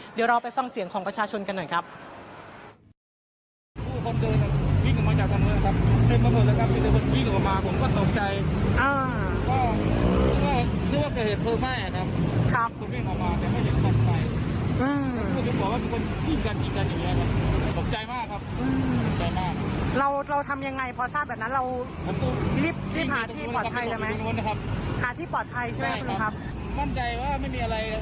เดี๋ยวเราไปฟังเสียงของประชาชนกันหน่อยครับ